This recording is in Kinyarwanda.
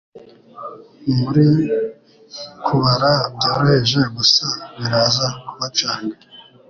Muri Kubara Byoroheje Gusa biraza kubacanga